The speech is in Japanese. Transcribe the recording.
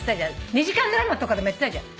２時間ドラマとかでもやってたじゃん。